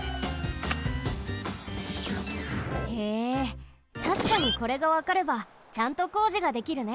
へえたしかにこれがわかればちゃんとこうじができるね。